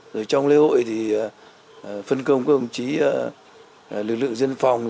rồi trong lễ hội thì phân công các ông chí lực lượng dân phòng